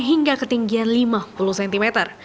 hingga ketinggian lima puluh cm